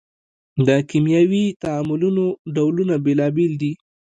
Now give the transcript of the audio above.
د کیمیاوي تعاملونو ډولونه بیلابیل دي.